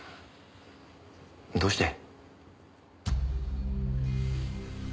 どうして？